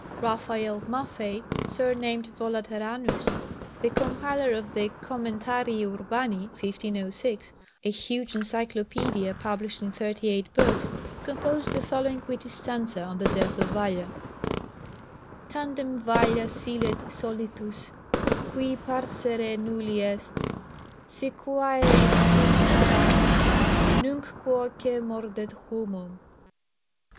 _ Raphael Maffei, surnamed Volaterranus, the compiler of the Commentarii urbani (1506), a huge encyclopaedia published in thirty eight books, composed the following witty stanza on the death of Valla: _Tandem Valla silet solitus qui parcere nulli est Si quaeris quid agat? nunc quoque mordet humum.